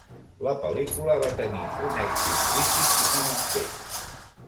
La pel·lícula va tenir un èxit crític i financer.